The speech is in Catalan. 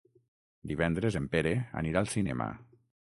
Divendres en Pere anirà al cinema.